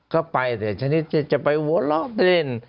ก็ไปเดี๋ยวฉะนั้นจะไปหัวล่อเต้น